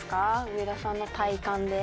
上田さんの体感で。